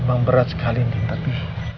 emang berat sekali ini tapi